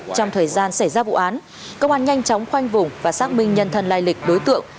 trong thời gian xảy ra vụ án công an nhanh chóng khoanh vùng và xác minh nhân thân lai lịch đối tượng